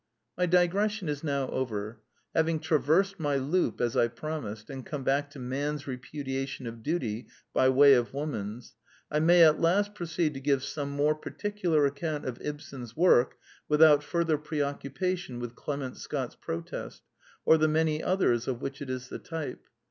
My digression is now over. Having traversed my loop as I promised, and come back to Man's repudiation of duty by way of Woman's, I may at last proceed to give some more particular ac count of Ibsen's work without further preoccupa tion with Clement Scott's protest, or the many others of which it is the type.